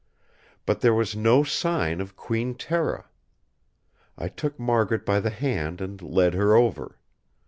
But there was no sign of Queen Tera! I took Margaret by the hand and led her over.